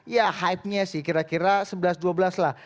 ya hype nya sih kira kira sebelas dua belas lah